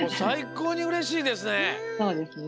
そうですね。